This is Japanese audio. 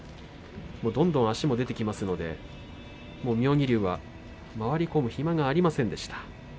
どんどん足も出てきますので、妙義龍は回り込む暇がありませんでした。